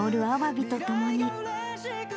アワビとともに。